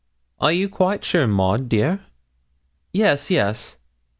'Are you quite sure, Maud, dear?' 'Yes, yes.'